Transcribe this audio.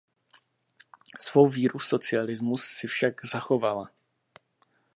Svou víru v socialismus si však zachovala.